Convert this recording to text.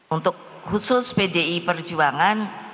untuk khusus pdi perjuangan